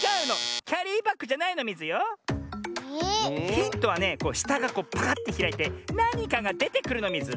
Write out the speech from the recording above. ヒントはねこうしたがパカッてひらいてなにかがでてくるのミズ。